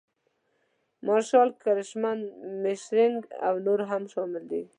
مارشال کرشمن مشینک او نور هم شامل دي.